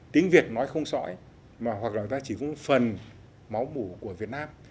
tiếng việt nói không sỏi hoặc là người ta chỉ muốn phần máu mủ của việt nam